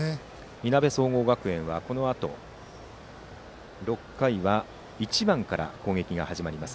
いなべ総合学園はこのあと６回は１番から攻撃が始まります。